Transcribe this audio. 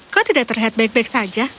kok tidak terlihat baik baik saja